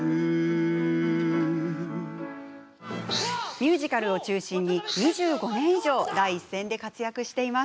ミュージカルを中心に２５年以上第一線で活躍しています。